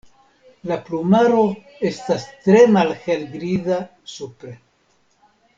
La plumaro estas tre malhelgriza supre.